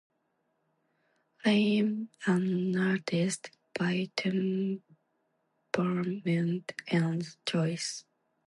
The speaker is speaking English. I am an artist by temperament and choice.